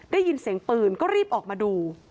ได้ยินเสียงปืนก็รีบออกมาดู